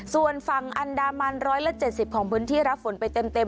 ส่วนฝั่งอันดามัน๑๗๐ของพื้นที่รับฝนไปเต็ม